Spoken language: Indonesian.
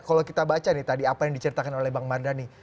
kalau kita baca nih tadi apa yang diceritakan oleh bang mardhani